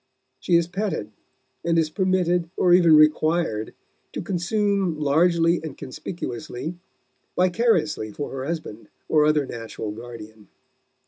She is petted, and is permitted, or even required, to consume largely and conspicuously vicariously for her husband or other natural guardian.